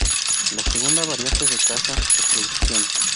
La segunda variante de caza de producción.